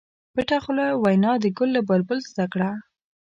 پټه خوله وینا د ګل له بلبل زده کړه.